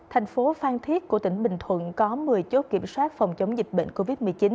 thành phố phan thiết của tỉnh bình thuận có một mươi chốt kiểm soát phòng chống dịch bệnh covid một mươi chín